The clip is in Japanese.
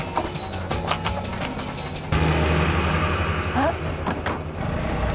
あっ！